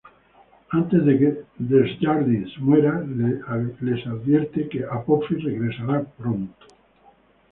Antes de que Desjardins muera, les advierte que Apofis regresará pronto.